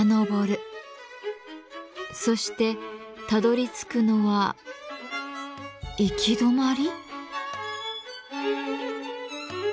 そしてたどりつくのは行き止まり？